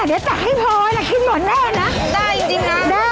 ได้จริง